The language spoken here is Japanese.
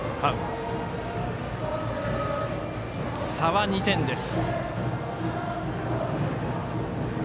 差は２点です。